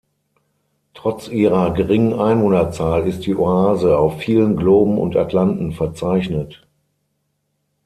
Trotz ihrer geringen Einwohnerzahl ist die Oase auf vielen Globen und Atlanten verzeichnet.